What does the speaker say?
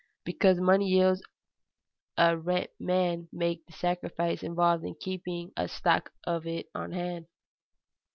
Because money yields a rent men make the sacrifice involved in keeping a stock of it on hand.